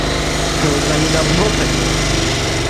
Да уж они давно повешены.